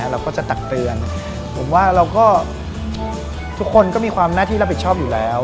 เราก็จะตักเตือนผมว่าเราก็ทุกคนก็มีความหน้าที่รับผิดชอบอยู่แล้ว